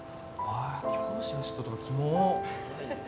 ・教師が嫉妬とかキモッ